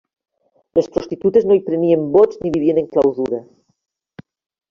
Les prostitutes no hi prenien vots ni vivien en clausura.